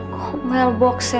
komel box ya